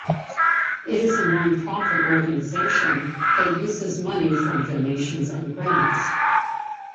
It is a non-profit organization that uses money from donations and grants.